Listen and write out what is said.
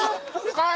はい！